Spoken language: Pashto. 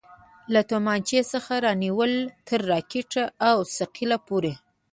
له تمانچې څخه رانيولې تر راکټ او ثقيله پورې.